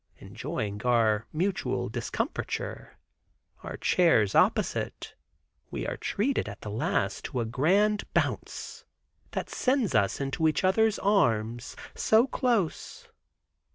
Enjoying our mutual discomfiture, our chairs opposite, we are treated at the last to a grand bounce, that sends us into each other's arms, so close.